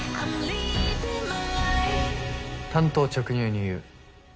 単刀直入に言う。